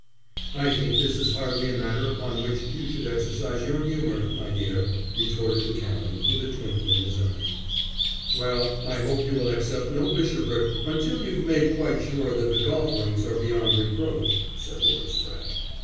"I think this is hardly a matter upon which you should exercise your humour, my dear," retorted the Canon, with a twinkle in his eye. "Well, I hope you will accept no bishopric until you've made quite sure that the golf links are beyond reproach," said Lord Spratte.